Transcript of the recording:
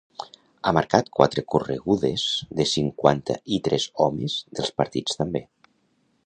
Ha marcat quatre corregudes de cinquanta i tres homes dels partits també.